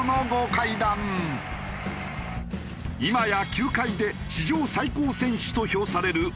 いまや球界で史上最高選手と評される大谷。